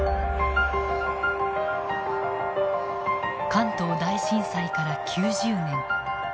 関東大震災から９０年。